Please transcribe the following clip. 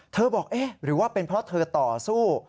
บอกเอ๊ะหรือว่าเป็นเพราะเธอต่อสู้